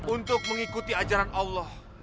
untuk mengikuti ajaran allah